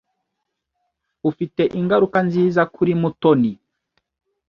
Ufite ingaruka nziza kuri Mutoni.